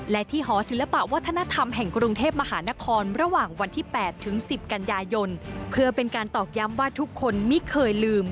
และถึงสิบกัญญายนเพื่อเป็นการตอบย้ำว่าทุกคนไม่เคยลืม